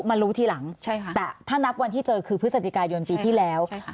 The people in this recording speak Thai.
มารู้ทีหลังใช่ค่ะแต่ถ้านับวันที่เจอคือพฤศจิกายนปีที่แล้วใช่ค่ะ